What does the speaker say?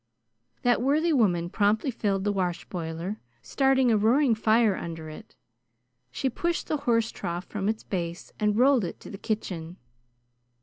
That worthy woman promptly filled the wash boiler, starting a roaring fire under it. She pushed the horse trough from its base and rolled it to the kitchen.